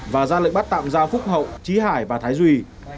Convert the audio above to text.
và ra lệnh bắt tạm ra phúc hậu trí hải và thái duy